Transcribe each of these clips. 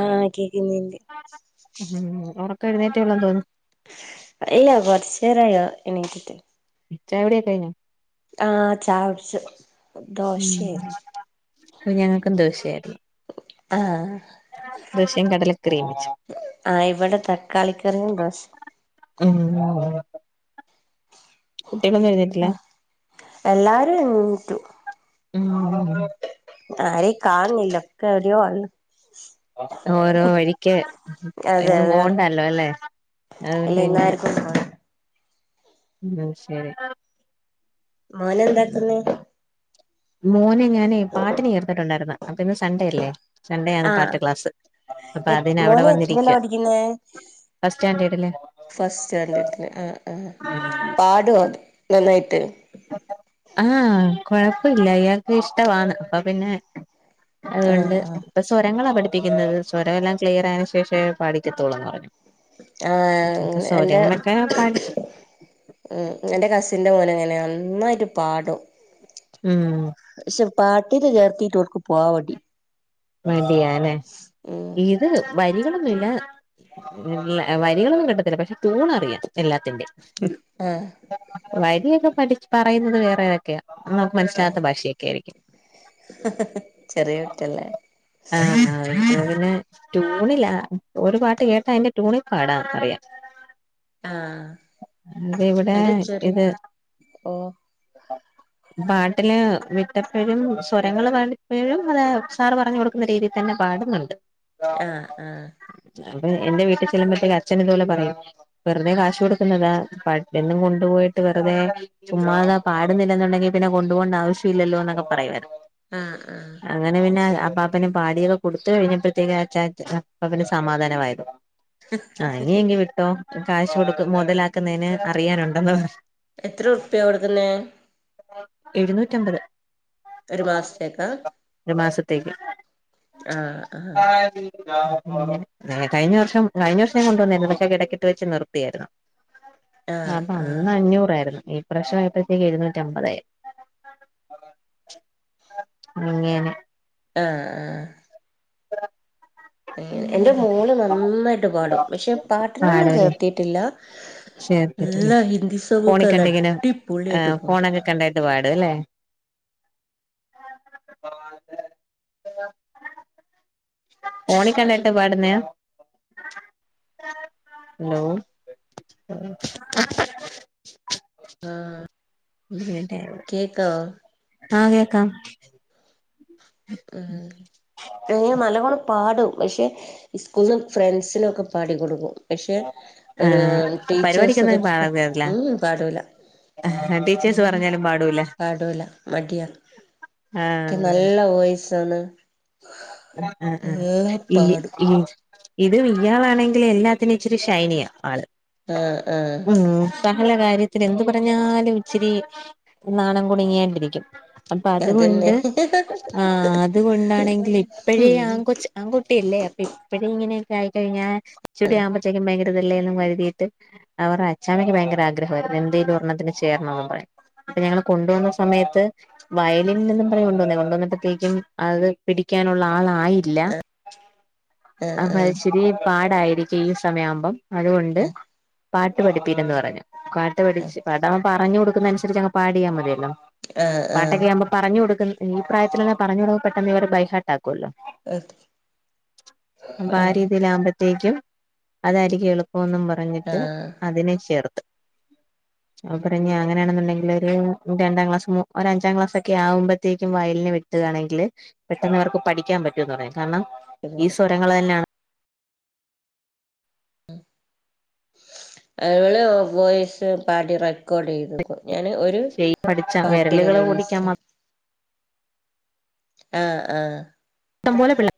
ആഹ് കേക്കുന്നീണ്ട് ഉമ് ഒറക്കം എഴുന്നേറ്റേ ഉള്ളന്ന് തോന്നുന്നു ഇല്ല കൊറച്ചേരമായി എണീറ്റിട്ട് ചായ കുടി കഴിഞ്ഞൊ ആഹ് ചായ കുടിച്ച് ദോശയാണ് ദോശയാരുന്നു ആഹ് ദോശയും കടല കറിം വച്ച് ആഹ് ഇവിടെ തക്കാളിക്കറിയും ദോശേം ഉം കുട്ടികളൊന്നും എഴുന്നേറ്റില്ല ആഹ് എല്ലാരും എണീറ്റു ഉം ആരെയും കാണിന്നില്ല ഒക്കെ എവിടെയോ ആണ് ഓരോ വഴിക്ക് അതെ ഇന്നു അതെ പോവണ്ടല്ലോ അല്ലേ ഇല്ല അതുകൊണ്ട് പിന്നെ ഇന്നാർക്കും പോണ്ട ഉം ശരി മോൻ എന്താക്കുന്ന് മോനെ ഞാനെ പാട്ടിന് ചേർത്തിട്ടുണ്ടായിരുന്നു അപ്പൊ ഇന്ന് സൺഡേ അല്ലേ സണ്ടേ ആണ് ആഹ് പാട്ട് ക്ലാസ് അപ്പൊ എ അതിന് അവിടെ മോന് എത്രയിലാ വന്നിരിക്കുവാ പഠിക്കുന്നെ ഫസ്റ്റ് സ്റ്റാഡേർഡ്ല്ല് ഫസ്റ്റ് സ്റ്റാൻഡേർഡിൽ ആഹ് ആഹ് പാടോ നന്നായിട്ട് ആഹ് കൊഴപ്പവില്ല അയാൾക്ക് ഇഷ്ട്ടവാണ് അപ്പൊ പിന്നെ ആഹ് അതുകൊണ്ട് ആഹ് ഇപ്പൊ സ്വരങ്ങളാ പഠിപ്പിക്കുന്നത് സ്വരം എല്ലാം ക്ലിയർ ആയതിന് ശേഷേ പാടിക്കെത്തുള്ളൂന്ന് പറഞ്ഞു അപ്പൊ ആഹ് എന്റെ സൗര്യങ്ങളൊക്കെ പാലിച്ച് ഉം എന്റെ കസിന്റെ മോൻ അങ്ങനെയാ നന്നായിട്ട് പാടും ഉം പക്ഷെ പാട്ടിന് ചേർത്തിട്ട് ഒർക്ക് പോവാൻ മടി മടിയാ അല്ലേ ഉം ഇത് വരികളൊന്നുല്ല ഇല്ല വരികളൊന്നും കിട്ടത്തില്ല പക്ഷെ ടൂൺ അറിയാം എല്ലാത്തിന്റെം ആഹ്. വരിയൊക്കെ പഠിച്ച് പറയുന്നത് വേറെ ഏതൊക്കെയാ ന്നമുക്ക് ആഹ് മനസ്സിലാവത്ത ഭാഷയൊക്കെ ആയിരിക്കും. ചെറിയ കുട്ടിയല്ലെ. ആഹ് ഇപ്പൊ പിന്നെ ട്യൂണില ഒരു പാട്ട് കേട്ടാ അയിന്റെ ട്യൂണിൽ പാടാനറിയാം. ആഹ്. അത് ഇവടെ എന്റെ ചെറിയ ഇത്. ഓ പാട്ടിന് വിട്ടപ്പഴും സ്വരങ്ങൾ ഭാണ്ട് ഇപ്പഴും അത് സാർ പറഞ്ഞ് കൊടുക്. ക്കുന്ന രീതിയിൽ തന്നെ പാടുന്നുണ്ട് ആഹ് ആഹ് അപ്പൊ എന്റെ വീട്ടിൽ ചെുല്ലുമ്പഴത്തക്ക് അച്ഛൻ ഇതുപോലെ പറയും വെറുതെ കാശ് കൊടുത്. ക്കുന്നത പട്ടിന് കോണ്ട് പോയിട്ട് വെറുതെ. ചുമ്മാതാ പാടുന്നില്ലെന്നുണ്ടങ്കി പിന്നെ കൊപോകണ്ട ആവ്ശ്യം ഇല്ലല്ലോ എന്നൊക്കെ പറയുവയ്ര്ന്ന്. ആഹ് ആഹ് അങ്ങനെ പിന്നെ അപാ പ്പന് പാടിയോക്കെ കൊടുത്ത് കഴിഞ്ഞപ്പോഴത്തേക്കെനെ അച്ചാച്ചന് പിന്നെ സമാധാനമായിര്ന്നത് ആഹ് ഇനി എങ്കി വിട്ടോ കാശ് കൊടുക്ക് മൊതലാക്കുന്നെന് അറിയാനുണ്ടെന്ന് പറഞ്ഞ് എത്ര റുപ്പ്യ കൊടുക്കുന്നെ? എഴുന്നൂറ്റമ്പത്. ഒരു മാസത്തെക്ക. ഒരു മാസത്തേക്ക്. ആഹ് ആഹ് എഹ് കഴിഞ്ഞ വർഷം കഴിഞ്ഞ വർഷം കൊണ്ടുവന്നേര്ന്ന് പക്ഷെ കെടക്കിട്ട് വെച്ച് നിർത്തിയാര്ന്നു. ആഹ് അപ്പന്ന് അഞ്ഞൂറായിരുന്ന് ഈ പ്രാവശ്യം ആയപ്പോഴത്തേക്ക് എഴുന്നൂറ്റമ്പതായി. അങ്ങനെ ആഹ്. [unintelligible] എഹ് എന്റെ മോള് നന്നായ്ട്ട് പാടും പഷെ പാട്ടിനൊന്നും പാടല്ലേ ചേർത്തീട്ടില്ല. ചേർത്തിട്ടില്ല എല്ലാ ഹിന്ദിസോങ്ങൊക്കെ നല്ലഅടി പൊളിയായ്ട്ട് പാടും. കണ്ടായിട്ട് പാടും എല്ലെ ആഹ് അതെ. ഫോണിക്കണ്ടായിട്ട് പാടുന്നയാ ഹലോ ആഹ് [inaudible] ആഹ് കേക്കാം. ഉം എഹ് നല്ലപോലെ പാടും പഷെ ഇസ്കൂൾന്ന് ഫ്രണ്ട്സിനൊക്കെ പാടി കൊടുക്കും. പഷെ ഒര് ആഹ് ടീച്ചേഴ്സൊക്കെ പരിപാടിക്കൊന്നും ചോ പാടാൻ കേറില്ല ഉം പാടൂലാ ടീച്ചേഴ്സ് ഉം പറഞ്ഞാലും പാടൂല പാടൂല മടിയാണ് ആഹ്. സാണ് ഉം ഉം ഉം ഈ പാടും ഈൻജ് ഇത് ഇയാളാണെങ്കില് എല്ലാത്തിനും ഇച്ചിരി ഷൈനിയാ ആള് ആഹ് ആഹ് ഉം സഹല കാര്യത്തിലും എന്ത് പറഞ്ഞാലും ഇച്ചിരി നാണം കുണുങ്ങിയാണ്ടിരിക്കും. അപ്പ അതന്നെ അതുകൊണ്ട് ആഹ് അതുകൊണ്ടാണെങ്കിൽ ഇപ്പഴേ ഉം ആൺകൊ ച്ച് ആൺകുട്ടിയല്ലേ അപ്പൊ ഇപ്പഴേ ഇങ്ങനെയൊക്കെ ആയിക്കഴിഞ്ഞാ ഇച്ചിരൂടിയാമ്പ ത്തേനും ഭയങ്കര ഇതല്ലേന്ന് കരുതിയിട്ട് അവര്ടെ അച്ചാമ്മക്ക് ഭയങ്കര ആഗ്രഹവായിരുന്നു എന്തെലും ഒരെണ്ണത്തിന് ചേരണമെന്ന് പറയും. അപ്പൊ ഞങ്ങള് കൊണ്ടോന്ന സമയത്ത് വയലിൻ നിന്നും പറഞ്ഞ് കൊണ്ടോന്നയാ കൊണ്ടോന്നപ്പഴത്തേക്കും അത് പിടിക്കാനുള്ള ആളായില്ല ആഹ് അപ്പ ആഹ് ഇശ്‌ രി പാടായിരിക്കും ഈ സമയാവുമ്പം അതുകൊണ്ട് പാട്ട് പഠിപ്പീരന്ന് പറഞ്ഞ് കാട്ട് പടിച്ച് അതാവുമ്പം പറഞ്ഞു കൊടുക്കുന്നെ അനുസരിച്ച് അങ്ങ് പാടിയാ മതിയല്ലോ ആഹ് പാട്ടൊക്കെ ആഹ് ആകുമ്പൊ പറഞ്ഞ് കൊടുക്കുന്ന ഈ പ്രായത്തിലങ്ങ് പറഞ്ഞ് കൊട് പെട്ടെന്ന് ഇവര് ബൈഹാട്ടാ ക്കൊല്ലോ ആഹ് അമ്പാരീതിൽ ആവുമ്പ ത്തേക്കും അതാരിക്കും എളുപ്പൊന്നു പറഞ്ഞിട്ട് ആഹ് അതിനെ ചേർത്ത് ഞാൻ പറഞ്ഞ് അങ്ങനെയാണെന്നുണ്ടെങ്കിൽ ഒരു രണ്ടാ ക്ലാസ് മു ഒര് അഞ്ചാം ക്ലാസ് ഒക്കെ ആവുമ്പത്തേക്കും വയലിന് വി ട്കയാണെങ്കിൽ പെട്ടെന്നിവർക്ക് പഠിക്കാൻ പറ്റുമന്ന് പറഞ്ഞു കാരണം ഈ സ്വരങ്ങള് തന്നാണ് ഇവള് വോയിസ് പാടി റെ ക്കോർഡ് ചെയ്ത് വെക്കും ഞാന് ഒരു ചെയ് പഠിച്ച പാട്ട് ഞാൻ വിരലുകൾ ഇൻസ്റ്റ ഓടിക്കാൻ ആഹ് ആഹ് ട്ടം പോലെ പിള്ള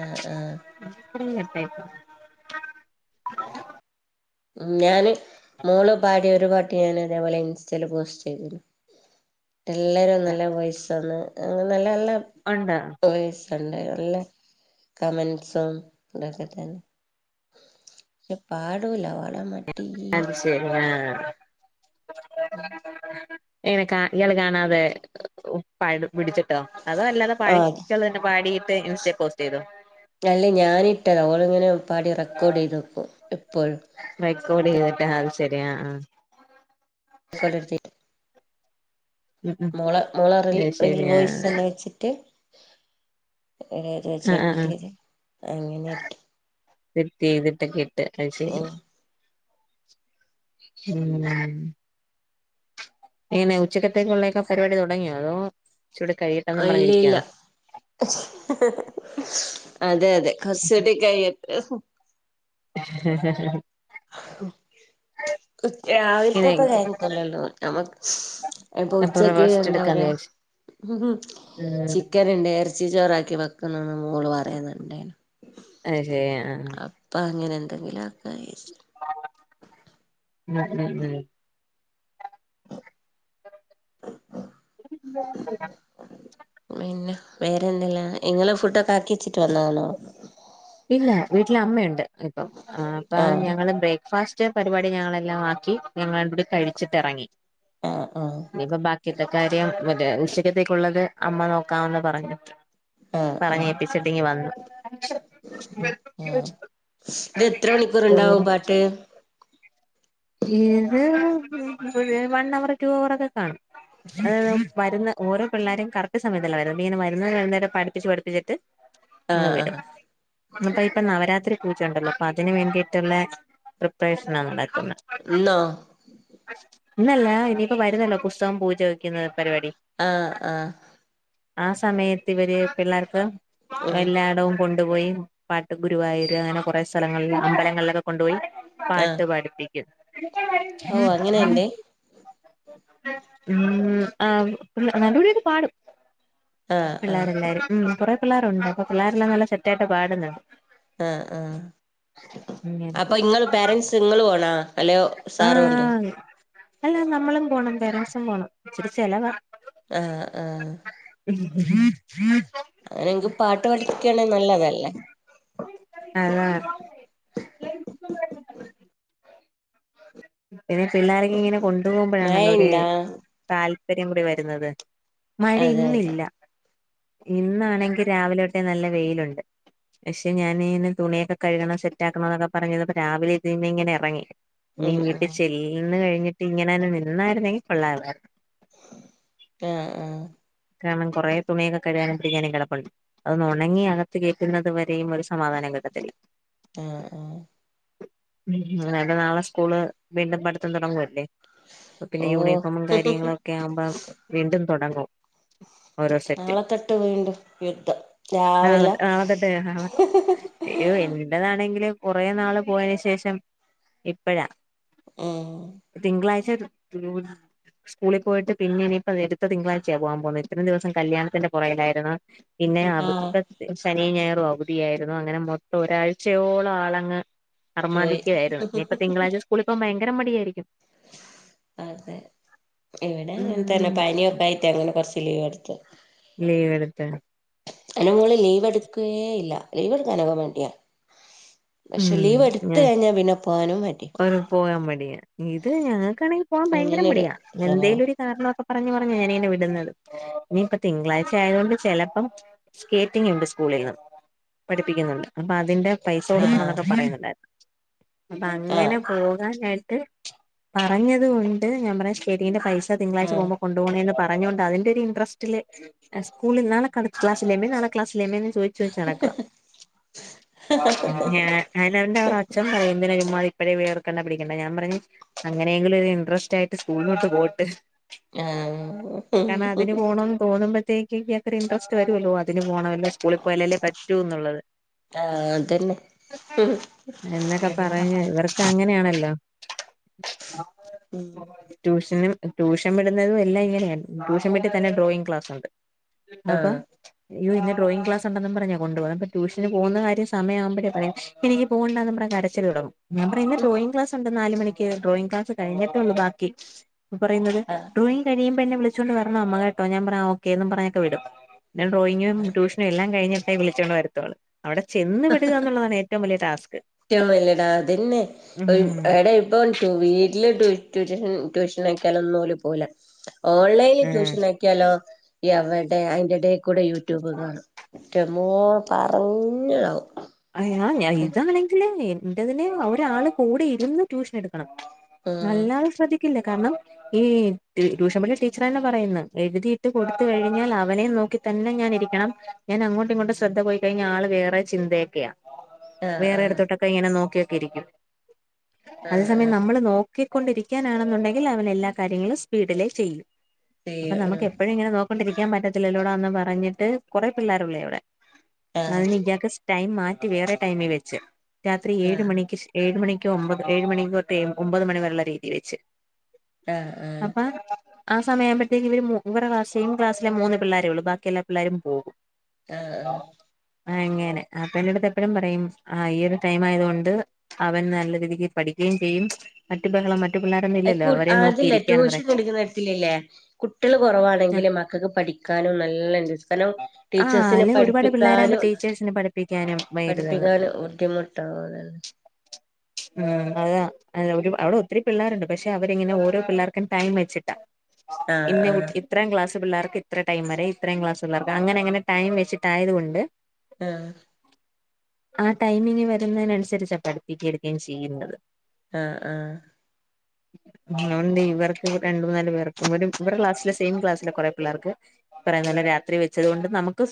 ആഹ് ആഹ് [unintelligible] ഉം ഞാന് മോള് പാടിയ ഒരു പാട്ട് ഞാൻ ഇതേപോലെ ഇൻസ്റ്റയില് പോസ്റ്റ് ചെയ്തിരുന്നു എല്ലാരും നല്ല വോയിസ്‌ ആണ് അങ്ങനെ നല്ല നല്ല ഒണ്ടോ വോയിസെണ്ട് നല്ല കമൻസും ഇതൊക്കെ തന്നെ പാടൂല പാടാൻ മടീയ [unintelligible] എങ്ങനെ കാ ഇയാള് കാണാതായെ പ പിടിച്ചിട്ടോ അതോ അല്ലാതെ ആ പാടിച്ചത് തന്നെ പാടിയിട്ട് ഇൻസ്റ്റ പോസ്റ്റ് ചെയ്തോ അല്ല ഞാനിട്ടത ഓളിങ്ങനെ പാടി റെക്കോർഡ് ചെയ്ത്പ്പോ എപ്പോഴും റെക്കോർഡ് ചെയ്തിട്ട് അതുശരി ആഹ് ആഹ് [unintelligible] ഉം ഉം മോള് മോള റിൽ അത് റിയൽ ശരി ആ വോയ്‌സല്ലാം വെച്ചിട്ട് ഏഹ് ആ ആ സെറ്റ യ്ത് അങ്ങനെ ട്ടെ സെറ്റയ്ത് ട്ടൊക്കെ ഇട്ട് അഹ് ശരി ഓ ഹ് മ് എങ്ങനെ ഉച്ചക്കത്തേക്കുള്ളൊക്കെ പരിപാടി തുടങ്ങിയോ അതോ ഇച്ചൂടെ കഴിയും ആ ഇല്ല ഇല്ല അതെ അതെ കൊറച്ചൂടെ കഴിയ ഇങ്ങനെ രാവിലത്തെപ്പ കഴിഞ്ഞിട്ടല്ലോ ള്ളൂ ഞമക്ക് പ്പൊ അപ്പൊ ഉച്ചക്ക് റെസ്റ്റ് എന്താ എടുക്കാന്ന് പറയാ വിചാരിച്ച് ഉം ചിക്കൻ ണ്ട് ഇറ ച്ചി ചോറാക്കി വെക്കുന്നന്ന് മോള് പറയുന്നുണ്ടേ നു അഹ് ശരി ആ അപ്പൊ അങ്ങനെ എന്തെങ്കിലു ക്കെയ്റ്റ് ഉം ഉം ഉം പിന്നെ വേറെന്തല്ല ഇങ്ങള് ഫുഡൊക്കൊ ആക്കി വെച്ചിട്ട് വന്നതന്നോ ഇല്ല വീട്ടില അമ്മയുണ്ട് ഇപ്പം അപ്പൊ ആഹ് ഞങ്ങള് ബ്രേക്ക്ഫാസ് റ്റെ പരിപാടി ഞങ്ങളെല്ലാം ആക്കി ഞങ്ങള ടൂടി കഴിച്ചിട്ട് ഇറങ്ങി ആഹ് ആഹ് ഇനിയിപ്പ ബാക്കിത്തെ കാര്യം മറ്റേ ഉച്ചത്തേക്കുള്ളത് അമ്മ നോക്കാന്ന് പറഞ്ഞു ആഹ് ആഹ് പറഞ്ഞേപ്പിച്ചിട്ടിങ് വന്നു ആഹ് ഇത് എത്ര മണിക്കൂർ ഇണ്ടാവും പാട്ട് ഇത് വൺ അവർ റ്റു അവർ ഒക്കെ കാണും അത വരുന്ന ഓരോ പിള്ളാരും കറക്റ്റ് സമയത്തല്ല വരുന്നെ ഇങ്ങനെ വരുന്ന വരുന്നേരെ പഠിച്ച് പഠിപ്പിച്ചിട്ട് ങ്ങ് ആഹ് വിടും ആഹ് ഇന്നിപ്പ ഇപ്പൊ നവരാത്രി പൂജ ഉണ്ടല്ലോ അപ്പൊ അതിന് വേണ്ടിട്ടുള്ള പ്രിപ്രേഷന നടക്കുന്നേ ഇന്നോ ഇന്നല്ല ഇനിയിപ്പം വരുന്നല്ലോ പുസ്തകം പൂജ വെക്കുന്ന പരിപാടി ആഹ് ആഹ് ആഹ് സമയത്ത് ഇവര് പിള്ളേർക്ക് ഉം എല്ലാടവും കൊണ്ടുപോയി പാട്ട് ഗുരുവായൂര് അങ്ങനെ കൊറെ സ്ഥലങ്ങളില് അമ്പലങ്ങളിലൊക്കെ കൊണ്ടുപോയി ആഹ് പാട്ട് പഠിപ്പിക്കും ഓ അങ്ങനെയുണ്ട് ഉ ആഹ് നല്ലൂടിക്ക്പാടും ആഹ് ആഹ് പിള്ളാരെല്ലാരും ഉം കുറെപിള്ളാരുണ്ട് അപ്പൊ പിള്ളാരെല്ലാ നല്ല സെറ്റായിട്ട പാടുന്ന് ണ്ട് ആഹ് ആഹ് അപ്പൊ ഇങ്ങള് പേരൻറ്സ് ഇങ്ങള് പോണ ഹലോ ആ സാറ് പോവുണ്ടോ അല്ല നമ്മളും പോണം പെരൻസും പോണം ഇച്ചിരി ചെലവാ ആഹ് ആഹ് അങ്ങനെ ങ്ക് പാട്ട് പഠിപ്പിക്കണേൽ നല്ലതല്ലേ അതെ പിന്നെ പിള്ളാരിങ്ങനെ കൊണ്ടുപോവുമ്പോഴാണല്ലോ ഒര് മഴയിണ്ടാ താല്പര്യം കൂടി വരുന്നത് മഴ അതെ അതെ ഇന്നില്ല ഇന്നാണെങ്കി രാവിലെ തോട്ടെ നല്ല വെയിലുണ്ട് ക്ഷേ ഞാനിങ്ങനെ തുണിയൊക്കെ കഴുകണം സെറ്റക്കണോന്നൊക്കെ പറഞ്ഞത്പ്പ രാവിലെ ഇതിനിങ്ങനെ എറങ്ങി നി ഉം ഉം വീട്ടി ചെൽന്ന് കഴിഞ്ഞിട്ടിങ്ങനെന്ന് നിന്നായിര്ന്നങ്കിൽ കൊള്ളായി ആഹ് ആഹ്. കാണം കൊറെ തുണിയൊക്കെ കഴുകാനു ഇട്ടിരിക്കാനും കിടപ്പുണ്ട്. അതൊന്ന് ഒണങ്ങി അകത്ത് കേറ്റുന്നത് വരേയും ഒരു സമാധാനം കിട്ടത്തില്ല. ആഹ് ആഹ്. ഇങ്ങള് നേര നാളെ സ്കൂള് വീണ്ടും പഠിത്തം തുടങ്ങുവല്ലേ. പ്പപിന്നെ യൂണിഫോമും ഓഹ് കാര്യങ്ങളൊക്കെ ആവുമ്പ വീണ്ടും തൊടങ്ങും. ഓരോ സെറ്റ് നാളെ തൊട്ട് വീണ്ടും യുദ്ധം നാളെ രാവിലെ നാളെത്തെട്ടഹവാ ഇയ്യോ എൻ. ല്ലതാണെങ്കില് കൊറേ നാള് പോയന് ശേഷം ഇപ്പഴാ. ആഹ്. തിങ്കളാഴ്ച സ്കൂളി പോയിട്ട് പിന്നെ ഇനിപ്പോ വെരുത്ത തിങ്കളാ ഴ്ച്ച പോവാ പോവുന്നേ ഇത്രയും ദിവസം കല്യാണത്തിന്റെ പുറകിലായിരുന്നു പിന്നെ അബ് ആഹ് ശനി ഞായറും അവുധിയായിരുന്നു അങ്ങനെ മൊത്തം ഒരാഴ്ചയോളം ആളങ്ങ്. പോയി അർമാദിക്ക്യായിരുന്നു ഇനിയിപ്പ തിങ്കളാഴ്ച സ്കൂളി പോവാൻ ഭയങ്കര മടിയായിരിക്കും. അതെ ഇവടെ അങ്ങൻതന്നെ ഉം പനിയൊക്കായ്റ്റങ്ങനെ കൊർച്ച് ലീവ്ട്ത്ത്. ലീവെടുത്തോ. എന്റെ മോള് ലീവെടുക്കേ ഇല്ല ലീവ് എടുക്കാനോക്കെ മട്യ. പക്ഷെ ലീവ് എടുത്ത് ഉം കഴിഞ്ഞ പിന്നെ പോവാനും മടിയ. പോവാൻ മടിയാ ഇത് ഞങ്ങക്കാണെങ്കി പോകൻ ഭയങ്കര അങ്ങനൊരു മടിയാ സ്വഭാവം എന്തെലൊര്. കാരണൊക്കെ പറഞ്ഞ് പറഞ്ഞ് എനി ന്നേ വിടുന്നത് ഇനിയിപ്പ തിങ്കളാഴ്ച ആയോണ്ട് ചെലപ്പം. സ്കേറ്റിംഗ്ണ്ട് സ്കൂളിൽന്ന് പഠിപ്പിക്ക്യുന്നുണ്ട് അപ്പൊ അതിന്റെ പൈസ കൊടുക്കണം ആഹ് ന്നൊക്കെ പറയുന്നുണ്ടായി ആഹ് അപ്പങ്ങനെ പോകാനായിട്ട് പറഞ്ഞത് കൊണ്ട് ഞാ പറയാ ശെടീന്റെ പൈ സ തിങ്കളാഴ്ച്ച ആഹ് പോവുമ്പോ കൊണ്ടൊണേന്ന് പറഞ്ഞ്കൊണ്ട് അതിന്റെര്. ഡ്രസ്റ്റില് അ സ്കൂളി നാളെ കളി ക്ലാസില്ലേ എമിൻ നളെ ക്ലസ്സില്ലേ എമേന്നും ചോ ചോയ്ച്ച് നടക്കുവ ഞാ അയിന്റെഅവന്റെ ഒരഅച്ഛൻ പറയും എന്തിന ഇവന്മാര് ഇപ്പയേ വേർക്കണ്ട പിടിക്കണ്ട ഞാൻ പറഞ്. അങ്ങനെങ്കിലൊര് ഇൻട്രസ്റ്റയിട്ട് സ്കൂളിലോട്ട് പോട്ട്. ആഹ് കാരണ അതിന് പോണോന്ന് തോന്നുമ്പൾത്തേ കെക്കത്രേ ഇൻട്രസ്റ്റ് വരുവല്ലോ അതിന് പോണവല്ലോ സ്കൂളി പോയലല്ലേ പറ്റൂന്നുള്ളത്. ആഹ് അതന്നെ ഹും. ക്കങ്ങനെയാണല്ലോ. ഉം. റ്റൂഷന് ട്യൂഷവിടുന്നതും എല്ലാംങ്ങനെയാ ട്യൂഷൻ വിട്ടി തന്നെ ഡ്രോയിങ് ക്ലാസ് ഉണ്ട്. അപ്പ ആഹ് യോ ഇന്ന് ഡ്രോയിങ് ക്ലാസുണ്ടന്നും പറഞ്ഞ കൊണ്ട് പോവ അപ്പ ട്യൂഷന് പോകുന്ന കാര്യം സമയാവുമ്പര പറയും എനിക്ക് പോണ്ടാന്ന് പറഞ്ഞ് കരച്ചില് തൊടങ്ങും ഞാ പറയു ന്ന് ഡ്രോയിങ് ക്ലസുണ്ട് നാല് മണി ക്ക് ഡ്രോയിങ് ക്ലാസ് കഴിഞ്ഞിട്ടള്ളൂ ബാക്കി പപറയുന്നത് ഡ്രോയി കഴിയുമ്പെന്നെ വിളിച്ചൊണ്ട് വരണം അമ്മ കേട്ടോ ഞ പറയും ആ ഓക്കെ ന്നും പറഞ്ഞക്കെ വിടും. ഞാ ഡ്രോയിങ്ങും ആഹ് ട്യൂഷനും എല്ലാം കഴിഞ്ഞിട്ടെ വിളിച്ചോണ്ട് വരുത്തുള്ളു അവിടെ ചെന്ന് വിടുക എന്നുള്ളതാണ് ഏറ്റവും വലിയ ടാസ്ക് ട്ട്യാളുല്ലടാ അതന്നെ ഉം ഒര് എടെ ഇപ്പൊ. ട്ടു വീട്ടില് ട്യൂ ട്യൂറ്റേഷൻ ട്യൂഷനാക്കിയാലൊന്നും ഓല് പോവൂല. ഓൺലൈനി ട്യൂഷനാക്ക്യാലോ എവടെ അയിന്റെടേകൂടെ യൂട്യൂബ് കാണും. ന്റ മ്മോ പറഞ്ഞാവും. അയാ ഞാ ഉം ഇതാണെങ്കില് എൻന്റെതിന് ഒരാള് കൂടെ ഇരുന്ന്. ട്യൂഷനെടുക്കണം അല്ലാതെ ശ്രദ്ധിക്കില്ല കാരണം. ഈ ട്യൂഷൻപടിപി ടീച്ചറെന്നെ പറയുന്ന എഴുതിയിട്ട് കൊടുത്ത് കഴിഞ്ഞാൽ അവനെം നോക്കി. തന്നെ ഞാനിരിക്കണം ഞാൻ അങ്ങോട്ട് ഇങ്ങോട്ട് ശ്രദ്ധ പോയി കഴിഞ്ഞാ ആള് വേറെ ചിന്തയ ക്ക്യ ആഹ് ആഹ് വേറെടുത്തോട്ടൊക്കെ ഇങ്ങനെ നോക്കിയൊക്കെ ഇരിക്ക്യും അതേ ആഹ് സമയം ആഹ് നമ്മള് നോ ക്കിക്കൊണ്ടിരിക്ക്യാനാണെന്നുണ്ടങ്കിൽ അവൻ എല്ലാ കാര്യങ്ങളും സ്പീഡിലേ ചെയ്യും അപ്പ ചെയ്യും നമുക്ക് ഉം എപ്പഴുങ്ങനെ നോ കൊണ്ടിരിക്കാൻ പറ്റത്തില്ലല്ലോടാന്ന് പറഞ്ഞിട്ട് കൊറെ പിള്ളേരുള്ളേ ഇവിടെ അത് ആഹ് ന് ഇയാക്ക് സ് ടൈം മാറ്റി വേറെ ടൈമി വെച്ച് രാത്രി ഏഴ് ആഹ് മണിക്ക് ശ് ഏഴ് മണിക്കോ ഒമ്പത് ഏഴ് മണിക്കൊ ഒമ്പത് മണി വരുള്ള രീതി വെച്ച്. ആഹ് ആഹ് അപ്പ ആ സമയാവുമ്പത്തേക്ക് ഇവര് മൂ ഇവ ക്ലാസ് സെയിം ക്ലാസ്ല്ല് മൂന്ന് പിള്ളേരെ ഉള്ളൂ, ബാക്കി എല്ലാ പിള്ളേരും പോകും. ആഹ് ആ അങ്ങനെ. അപ്പ എന്റെടുത്ത് എപ്പഴും പറയും ആ ഈ ഒരു ടൈം ആയതുകൊണ്ട് അവൻ നല്ല രീതിക്ക് പഠിക്കുകയും ചെയ്യും മറ്റു ബഹളം മറ്റ കുർ അതില്ലേ ട്യൂഷൻ എടുക്കുന്നിടത്തിലില്ലേ, കുട്ടികള് കുറവാണെങ്കില് മക്കക്ക് പഠിക്ക ക്കാനും നല്ല ഇണ്ട് കാരണം ആ ടീച്ചേഴ്സിനെ അല്ലെ ഒരുപാട് പിള്ളേരാകുമ്പോ പഠിപ്പിക്കാനും ടീച്ചേഴ്സിന് പഠിപ്പിക്കാനും വൈരുതാണ് പഠിപ്പിക്കാൻ ബുദ്ധിമുട്ടാവൂല്ലല്ലോ ഉം, അതാ അവിടെ ഒത്തിരി പിള്ളേരുണ്ട് പക്ഷെ അവരിങ്ങനെ ഓരോ പിള്ളേർക്കും ടൈം വെച്ചിട്ടാ. ആഹ് ഇന്ന ആഹ് കുട്ടി ഇത്രാം ക്ലസ് പിള്ളേർക്ക് ഇത്ര ടൈം വരെ, ഇത്രേം ക്ലസ്സിള്ളവർക്ക് അങ്ങനങ്ങനെ ടൈം വെച്ചിട്ടായത് കൊണ്ട് ആഹ് ആ ടൈമിങ് വരുന്നതിനനുസരിച്ചാ പഠിപ്പിക്കേം എടുക്കേം ചെയ്യുന്നത്. ആഹ് ആഹ് ഒണ്ട് ഇവർക്ക് രണ്ട് മൂന്നാല് പേർക്ക് ഇവരും ഇവർടെ ക്ലാസ്സിലെ സെയിം ക്ലാസ്സിലെ കുറെ പിള്ളേർക്ക് ഈ പറയുന്ന പോലെ രാത്രി വെച്ചതോണ്ട് നമുക്കും സുഖ